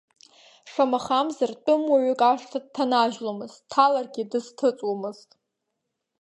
Шамахамзар тәымуаҩык ашҭа дҭанажьломызт, дҭаларгьы дызҭыҵуамызт.